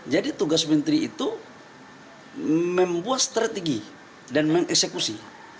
jadi tugas menteri itu membuat strategi dan mengeksekusi